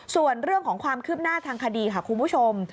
ส่วนเรื่องของความคืบหน้าทางคดีค่ะคุณผู้ชม